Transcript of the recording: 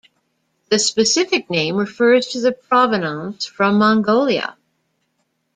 The specific name refers to the provenance from Mongolia.